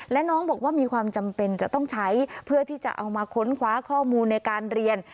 และน้องบอกว่ามีความจำเป็นจะต้องใช้เพื่อที่จะเอามาค้นคว้าข้อมูลในการเรียน